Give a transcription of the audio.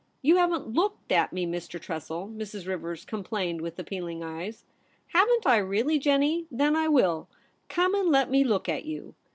' You haven't looked at me, Mr. Tressel,' Mrs. Rivers complained, with appealing eyes. * Haven't I really, Jennie ? Then I will. Come and let me look at you.'